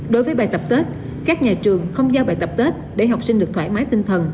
đối với bài tập tết các nhà trường không giao bài tập tết để học sinh được thoải mái tinh thần